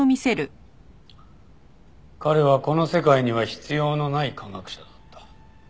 彼はこの世界には必要のない科学者だった。